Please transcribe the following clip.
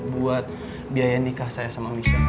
buat biaya nikah saya sama misal